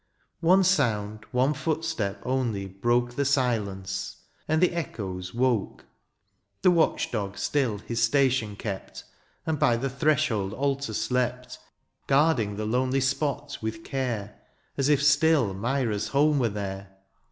One sound, one footstep only broke The silence, and the echoes woke ; The watch dog still his station kept. And by the threshold altar slept, (m) Ghiarding the lonely spot with care As if still Myra^s home were there.